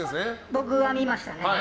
僕が見ましたね。